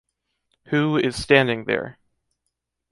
Who is standing there?